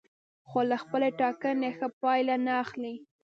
خو له خپلې ټاکنې ښه پایله نه اخلي.